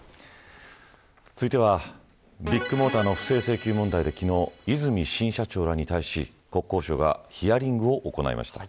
続いては、ビッグモーターの不正請求問題で、昨日和泉新社長らに対し国交省がヒアリングを行いました。